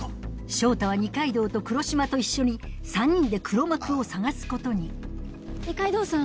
翔太は二階堂と黒島と一緒に３人で黒幕を探すことに二階堂さん。